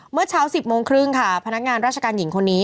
เมื่อเช้า๑๐โมงครึ่งค่ะพนักงานราชการหญิงคนนี้